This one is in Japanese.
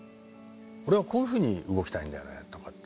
俺はこういうふうに動きたいんだよねとかって。